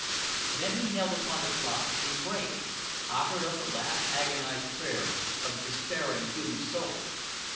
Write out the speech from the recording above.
Then he knelt upon his rock, and prayed offered up the last agonized prayer of a despairing human soul.